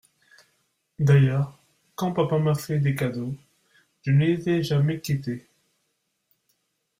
D'ailleurs, quand papa m'a fait des cadeaux, je ne les ai jamais quêtés.